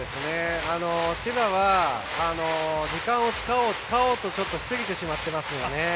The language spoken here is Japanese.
千葉は時間を使おうとしすぎてしまっていますね。